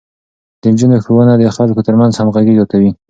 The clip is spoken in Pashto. د نجونو ښوونه د خلکو ترمنځ همغږي زياتوي.